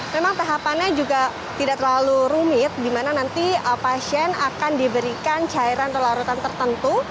memang tahapannya juga tidak terlalu rumit di mana nanti pasien akan diberikan cairan pelarutan tertentu